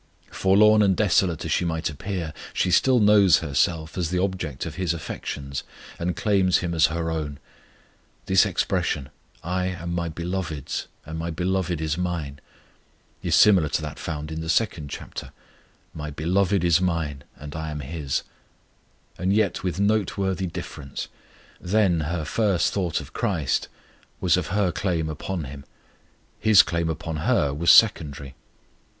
Forlorn and desolate as she might appear she still knows herself as the object of His affections, and claims Him as her own. This expression, "I am my Beloved's, and my Beloved is mine," is similar to that found in the second chapter, "My Beloved is mine, and I am His"; and yet with noteworthy difference. Then her first thought of CHRIST was of her claim upon Him: His claim upon her was secondary.